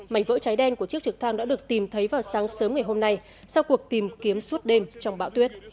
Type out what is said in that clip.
mảnh vỡ trái đen của chiếc trực thăng đã được tìm thấy vào sáng sớm ngày hôm nay sau cuộc tìm kiếm suốt đêm trong bão tuyết